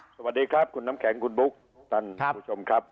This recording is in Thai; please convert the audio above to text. สวัสดีครับคุณน้ำแข็งคุณบุ๊คท่านผู้ชมครับ